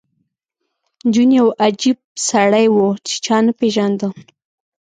جون یو عجیب سړی و چې چا نه پېژانده